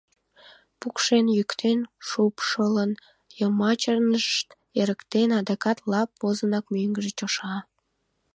Пукшен-йӱктен-шупшылын, йымачынышт эрыктен, адакат, лап возынак, мӧҥгыжӧ чоша.